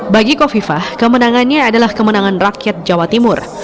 bagi kofifah kemenangannya adalah kemenangan rakyat jawa timur